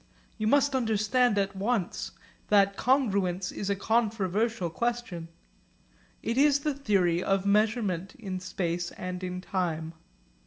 You must understand at once that congruence is a controversial question. It is the theory of measurement in space and in time.